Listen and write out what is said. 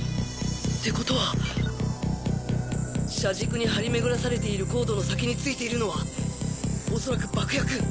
ってことは車軸に張り巡らされているコードの先に付いているのは恐らく爆薬！